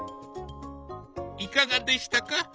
いかがでしたか？